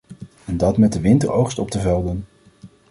En dat met de winteroogst op de velden...